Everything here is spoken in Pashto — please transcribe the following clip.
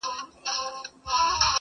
o چي حاجي حاجي ئې بولې، اخير به حاجي سي.